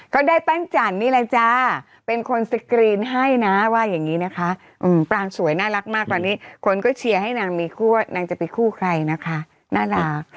ก็ได้ปั้นจันนี่แหละจ้าเป็นคนสกรีนให้นะว่าอย่างนี้นะคะปรางสวยน่ารักมากตอนนี้คนก็เชียร์ให้นางมีคู่ว่านางจะไปคู่ใครนะคะน่ารัก